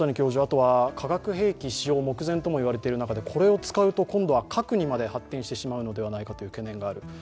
あとは化学兵器使用目前といわれている中でこれを使うと今度は核にまで発展してしまうのではないという懸念がある。